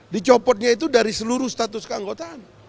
dicopotnya itu dari seluruh status keanggotaan